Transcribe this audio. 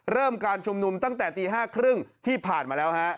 การชุมนุมตั้งแต่ตี๕๓๐ที่ผ่านมาแล้วฮะ